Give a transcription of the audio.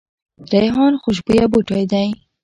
ریحان خوشبویه بوټی دی